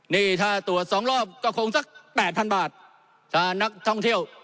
นี่ถ้าตรวจ๒รอบก็คงสัก๘๐๐๐บาทถ้านักท่องเที่ยว